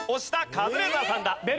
カズレーザーさんだ。